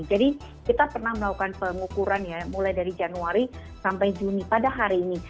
jadi kita pernah melakukan pengukuran ya mulai dari januari sampai juni pada hari ini